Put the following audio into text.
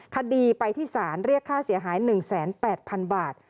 คดีไปที่ศาลเรียกค่าเสียหาย๑๘๐๐๐บาท